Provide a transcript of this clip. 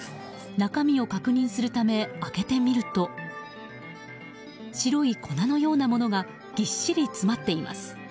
中身を確認するため開けてみると白い粉のようなものがぎっしり詰まっています。